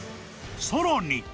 ［さらに］